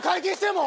もう。